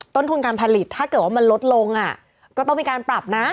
ต้นทุนการผลิตถ้าเกิดว่ามันลดลงก็ต้องมีการปรับนะ